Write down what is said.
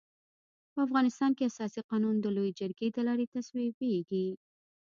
په افغانستان کي اساسي قانون د لويي جرګي د لاري تصويبيږي.